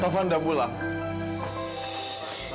taufan udah pulang